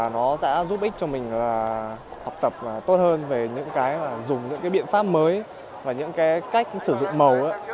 nó sẽ giúp ích cho mình là học tập tốt hơn về những cái dùng những cái biện pháp mới và những cái cách sử dụng màu